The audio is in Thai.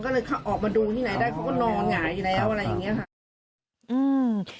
ก็เลยออกมาดูที่ไหนได้เขาก็นอนหงายอยู่แล้วอะไรอย่างเงี้ยค่ะอืม